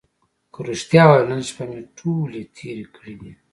که رښتیا ووایم نن شپه مې ټولې تېرې کړې دي.